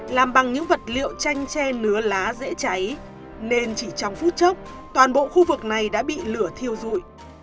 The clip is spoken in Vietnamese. làm bằng những vật liệu chanh che nứa lá dễ cháy nên chỉ trong phút chốc toàn bộ khu vực này đã bị lửa thiêu dụi